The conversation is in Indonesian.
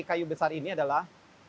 kayu besar ini adalah